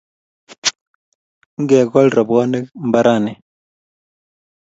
Ngekol robwanik mbaranni